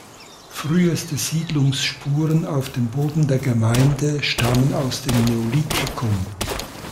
Früheste Siedlungsspuren auf dem Boden der Gemeinde stammen aus dem Neolithikum.